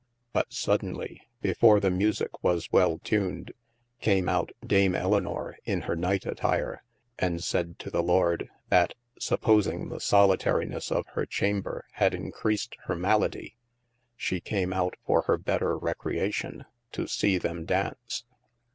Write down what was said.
But sodemy, before the musicke was well tuned, came out Dame Elynor in hir night attyre, and said to the Lord, y4 (supposing the solitarinesse of hir chamber had encreased hir maladie) she came out for hir better recreatio to see them daunce.